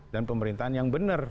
dan pemerintahan yang benar